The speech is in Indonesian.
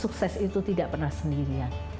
sukses itu tidak pernah sendirian